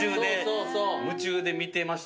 夢中で見てましたもん。